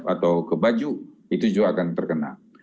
atau ke baju itu juga akan terkena